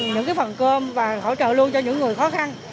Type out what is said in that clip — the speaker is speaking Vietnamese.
những phần cơm và hỗ trợ luôn cho những người khó khăn